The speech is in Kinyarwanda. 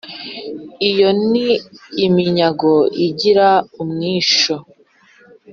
iyo ni iminyago igira umwishyo